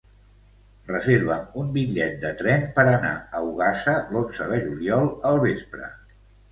Reserva'm un bitllet de tren per anar a Ogassa l'onze de juliol al vespre.